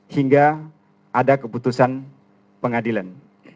hingga ada keputusan pengadilan